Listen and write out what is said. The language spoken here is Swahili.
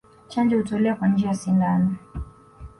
Chanjo hutolewa kwa njia ya sindano